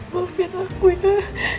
mohon biarkan aku ya